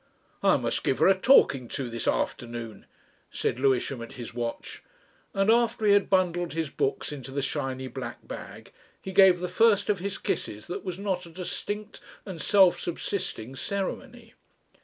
"I must give her a talking to this afternoon," said Lewisham at his watch, and after he had bundled his books into the shiny black bag, he gave the first of his kisses that was not a distinct and self subsisting ceremony.